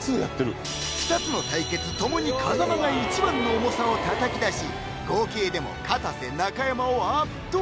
２つの対決共に風間が一番の重さをたたき出し合計でもかたせ・中山を圧倒！